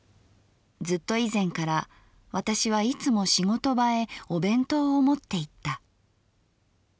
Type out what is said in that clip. ずっと以前から私はいつも仕事場へお弁当を持っていった」。